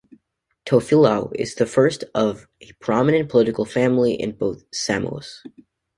Tofilau is the first of a prominent political family in both Samoas.